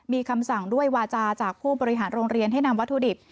มีคำสั่งด้วยวาจาจากผู้บริหารโรงเรียนให้นำวัตถุดิบ